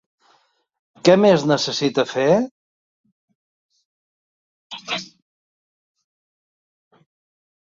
Què més necessita fer?